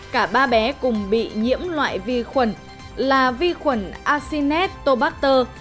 cả ba bé cùng bị nhiễm loại vi khuẩn là vi khuẩn acinetobacter